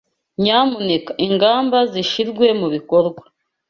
Nyamuneka ingamba zishirwe mubikorwa